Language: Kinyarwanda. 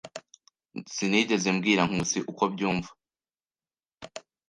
Sinigeze mbwira Nkusi uko mbyumva.